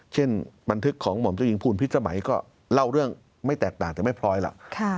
เช่นบันทึกของหม่อมเจ้าหญิงภูลพิษสมัยก็เล่าเรื่องไม่แตกต่างแต่ไม่พลอยล่ะ